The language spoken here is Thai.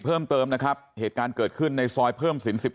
เพิ่มเติมนะครับเหตุการณ์เกิดขึ้นในซอยเพิ่มศิลป๑๑